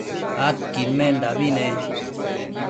adquidmendabi ne